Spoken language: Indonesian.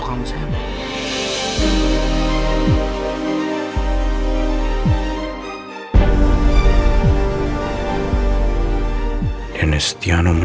kecuali nilainya sulit